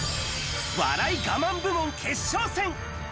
笑いガマン部門決勝戦。